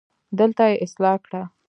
دلته يې اصلاح کړه